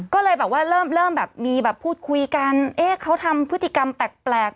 ก็เลยเริ่มมีพูดคุยกันเขาทำพฤติกรรมแปลก